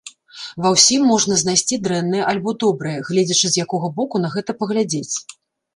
Ва ўсім можна знайсці дрэннае альбо добрае, гледзячы з якога боку на гэта паглядзець.